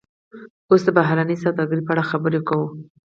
اوس د بهرنۍ سوداګرۍ په اړه خبرې کوو